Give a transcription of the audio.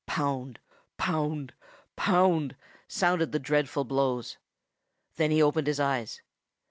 Pound, pound, pound, sounded the dreadful blows. Then he opened his eyes.